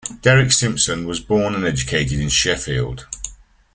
Derek Simpson was born and educated in Sheffield.